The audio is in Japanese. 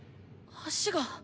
足が。